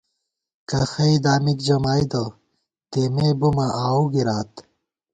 کخئ دامِک جمائیدہ ، تېمےبُماں آؤو گِرات